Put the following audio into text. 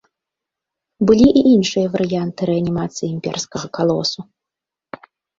Былі і іншыя варыянты рэанімацыі імперскага калосу.